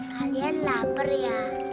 kalian lapar ya